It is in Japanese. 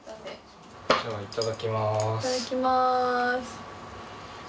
いただきまーす。